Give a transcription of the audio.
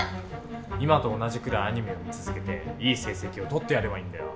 今と同じくらいアニメを見続けていい成績を取ってやればいいんだよ。